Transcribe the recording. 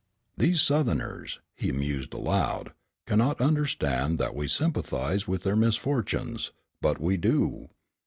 "These Southerners," he mused aloud, "cannot understand that we sympathize with their misfortunes. But we do.